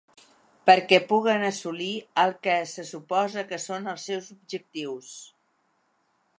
Perquè puguen assolir els que se suposa que són els seus objectius.